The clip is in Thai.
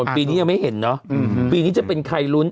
ปีนี้ยังไม่เห็นเนาะปีนี้จะเป็นใครลุ้น